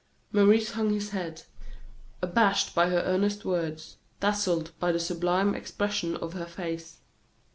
Maurice hung his head, abashed by her earnest words, dazzled by the sublime expression of her face.